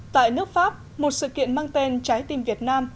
tại nước pháp một sự kiện mang tên trái tim việt nam